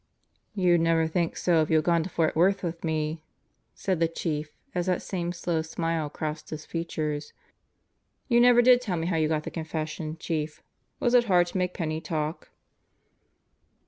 "You'd never think so if you had gone to Fort Worth with me," said the Chief as that same slow smile crossed his features. "You never did tell me how you got the confession, Chief. Was it hard to make Penney talk?"